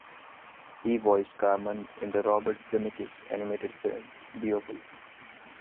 He voiced Garmund in the Robert Zemeckis animated film, "Beowulf".